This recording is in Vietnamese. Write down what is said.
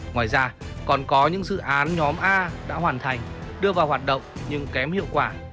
ngoài ra còn có những dự án nhóm a đã hoàn thành đưa vào hoạt động nhưng kém hiệu quả